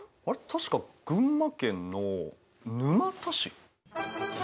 確か群馬県の沼田市？